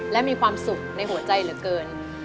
และมีความสุขในหัวใจเหลือเกิน